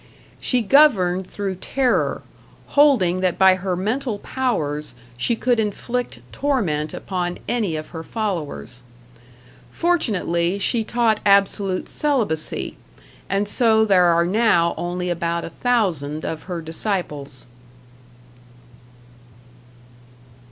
She governed through terror, holding that by her mental powers she could inflict torment upon any of her followers. Fortunately she taught absolute celibacy, and so there are now only about a thousand of her disciples.